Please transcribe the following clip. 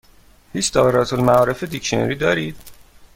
هیچ دائره المعارف دیکشنری دارید؟